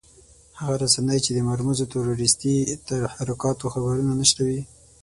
هغه رسنۍ چې د مرموزو تروريستي تحرکاتو خبرونه نشروي.